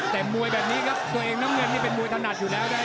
แต่มวยแบบนี้ครับตัวเองน้ำเงินนี่เป็นมวยถนัดอยู่แล้วนะครับ